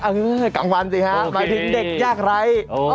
เออกลางวันสิฮะหมายถึงเด็กยากไร้